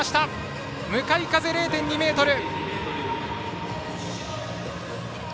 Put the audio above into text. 向かい風０．２メートル。